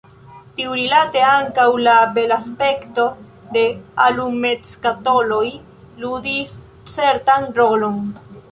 Tiurilate ankaŭ la belaspekto de alumetskatoloj ludis certan rolon.